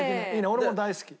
俺も大好き。